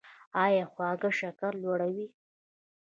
ایا خواږه شکر لوړوي؟